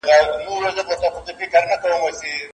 په محشر کي به پوهیږي چي له چا څخه لار ورکه